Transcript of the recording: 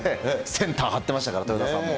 センター張ってましたから、豊田さんも。